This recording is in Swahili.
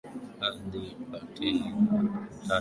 hadi thelathini na tatu nyuma sura ya kumi na nane